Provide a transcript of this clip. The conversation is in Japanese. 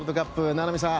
名波さん